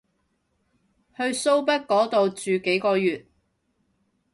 去蘇北嗰度住幾個月